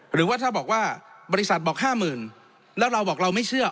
หรือว่าถ้าบอกว่าบริษัทบอก๕๐๐๐แล้วเราบอกเราไม่เชื่อ